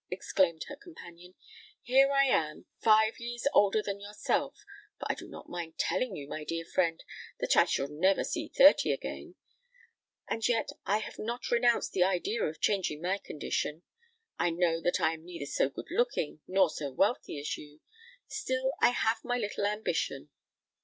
exclaimed her companion. "Here am I—five years older than yourself,—for I do not mind telling you, my dear friend, that I shall never see thirty again;—and yet I have not renounced the idea of changing my condition. I know that I am neither so good looking nor so wealthy as you;—still I have my little ambition.